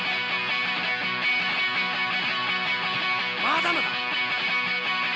まだまだ！